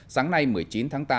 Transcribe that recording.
sáng nay một mươi chín tháng tám